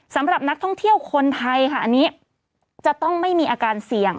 สำหรับนักท่องเที่ยวคนไทยค่ะอันนี้จะต้องไม่มีอาการเสี่ยง